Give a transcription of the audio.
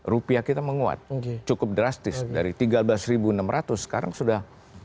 rupiah kita menguat cukup drastis dari tiga belas enam ratus sekarang sudah